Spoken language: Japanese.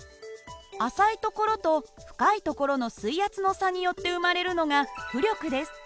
浅い所と深い所の水圧の差によって生まれるのが浮力です。